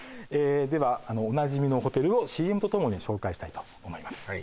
ええではあのおなじみのホテルをＣＭとともに紹介したいと思います